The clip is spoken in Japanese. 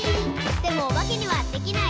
「でもおばけにはできない。」